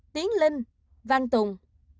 tiến linh văn tùng